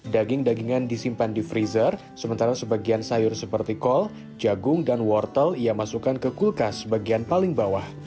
daging dagingan disimpan di freezer sementara sebagian sayur seperti kol jagung dan wortel ia masukkan ke kulkas bagian paling bawah